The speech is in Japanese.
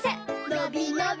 のびのび